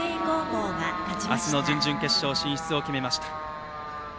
明日の準々決勝進出を決めました。